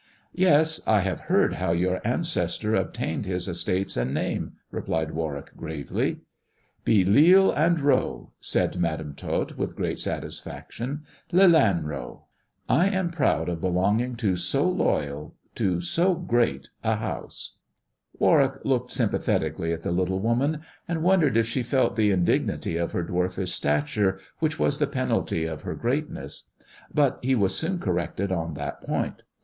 '*Yes. I have heard how your ancestor obtained his estates and name," replied Warwick gravely. " Be Leal and Row," said Madam Tot, with great satis faction. " Lelanro ! I am proud of belonging to so loyal, to so great a house/" Warwick looked sympathetically at the little woman, and wondered if she felt the indignity of her dwarfish stature^ which was the penalty of her greatness; but he was soon corrected on that point.